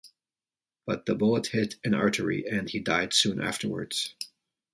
But the bullet hit an artery and he died soon afterwards.